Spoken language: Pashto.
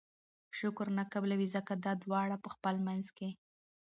شکر نه قبلوي!! ځکه دا دواړه په خپل منځ کي